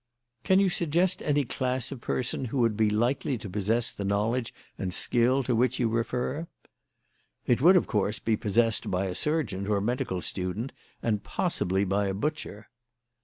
"Can you suggest any class of person who would be likely to possess the knowledge and skill to which you refer?" "It would, of course, be possessed by a surgeon or medical student, and possibly by a butcher."